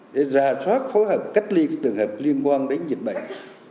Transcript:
để ra soát phối hợp cách ly các trường hợp liên quan đến dịch bệnh